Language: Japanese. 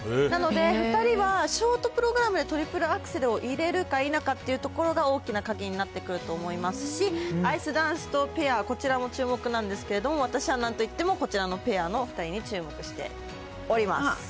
なので、２人はショートプログラムでトリプルアクセルを入れるか否かっていうところが大きな鍵になってくると思いますし、アイスダンスとペア、こちらも注目なんですけれども、私はなんといっても、こちらのペアの２人に注目しております。